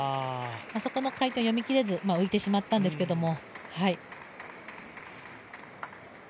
そこの回転を読み切れず浮いてしまったんですけれども。